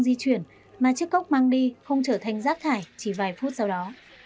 di chuyển mà chiếc cốc mang đi không trở thành rác thải chỉ vài phút sau đó